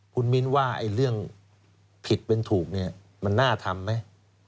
คุณมิ้นว่าเรื่องผิดเป็นถูกเนี่ยมันน่าทำไหม